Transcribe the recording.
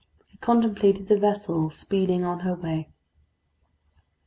He contemplated the vessel speeding on her way.